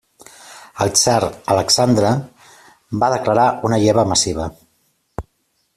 El tsar Alexandre va declarar una lleva massiva.